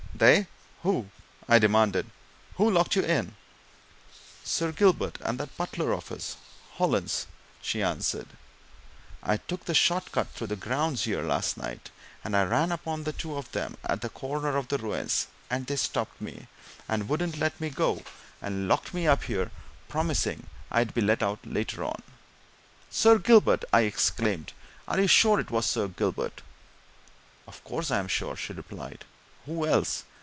"They? Who?" I demanded. "Who locked you in?" "Sir Gilbert and that butler of his Hollins," she answered. "I took the short cut through the grounds here last night, and I ran upon the two of them at the corner of the ruins, and they stopped me, and wouldn't let me go, and locked me up here, promising I'd be let out later on." "Sir Gilbert!" I exclaimed. "You're sure it was Sir Gilbert?" "Of course I'm sure!" she replied. "Who else?